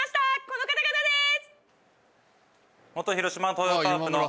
この方々です！